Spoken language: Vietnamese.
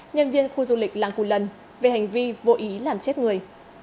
nhân viên khu du lịch làng cù lần về hành vi vô ý làm chết người